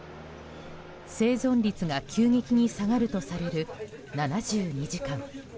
生存率が急激に下がるとされる７２時間。